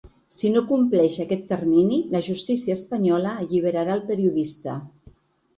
Si no compleix aquest termini, la justícia espanyola alliberarà el periodista.